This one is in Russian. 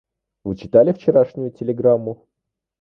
Вы читали вчерашнюю телеграмму?